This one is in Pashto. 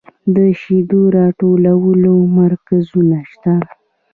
د شیدو راټولولو مرکزونه شته